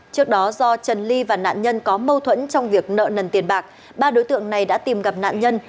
trước đó do trần ly và nạn nhân có mâu thuẫn trong việc nợ nần tiền bạc ba đối tượng này đã tìm gặp nạn nhân